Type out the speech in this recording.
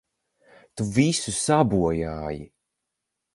Tu visu sabojāji!